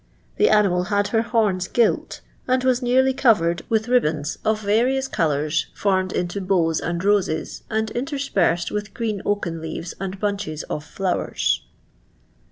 The animal had her horns gilt, and wiu nearly covered with ribands of various colours formed into bows and roses, and interspersed with green oaken leaves and bunches of flowers."